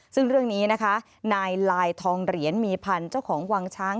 ซึ่งเรื่องนี้นะคะนายลายทองเหรียญมีพันธ์เจ้าของวังช้าง